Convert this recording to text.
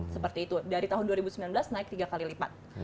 seperti itu dari tahun dua ribu sembilan belas naik tiga kali lipat